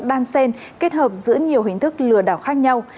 đan sen kết hợp giữa nhiều hình thức lừa đảo khác nhau